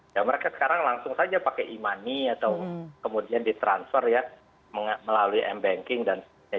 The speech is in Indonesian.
ya mereka sekarang langsung saja pakai e money atau kemudian ditransfer ya melalui mbanking dan sebagainya